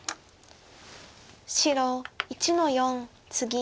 白１の四ツギ。